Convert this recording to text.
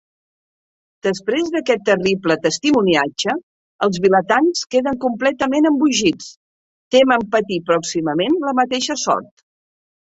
Després d'aquest terrible testimoniatge, els vilatans queden completament embogits, tement patir pròximament la mateixa sort.